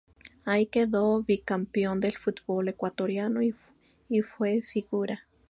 Ahí quedó bicampeón del fútbol ecuatoriano y fue figura.